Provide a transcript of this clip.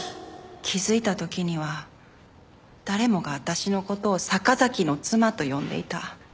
気づいた時には誰もが私の事を「坂崎の妻」と呼んでいた。